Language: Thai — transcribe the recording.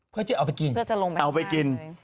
เพื่อจะเอาไปกิน